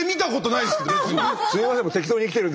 すいません。